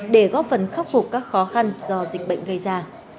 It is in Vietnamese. để góp phần khắc phục các khó khăn do dịch bệnh gây ra